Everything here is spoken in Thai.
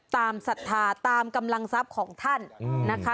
ศรัทธาตามกำลังทรัพย์ของท่านนะคะ